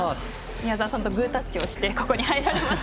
宮澤さんとグータッチをしてここに入られました。